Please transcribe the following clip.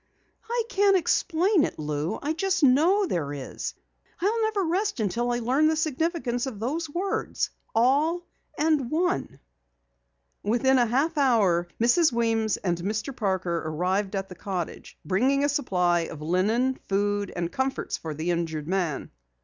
"I can't explain it, Lou. I just know there is. I'll never rest until I learn the significance of those words, All and One." Within a half hour Mrs. Weems and Mr. Parker arrived at the cottage, bringing a supply of linen, food, and comforts for the injured man.